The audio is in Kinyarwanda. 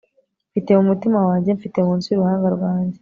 Mfite mu mutima wanjye Mfite munsi yuruhanga rwanjye